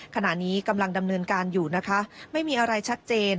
ขณะนี้กำลังดำเนินการอยู่นะคะไม่มีอะไรชัดเจน